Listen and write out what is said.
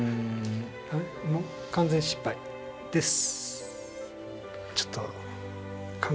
完全失敗です。